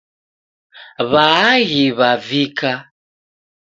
Waaghi wavika